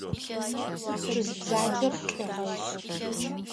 Шъуз бзаджэр лӏы гъэжъ.